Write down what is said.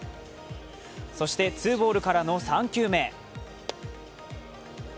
そしてツーボールからの３球目。